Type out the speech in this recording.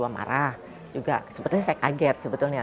dua marah juga sepertinya saya kaget sebetulnya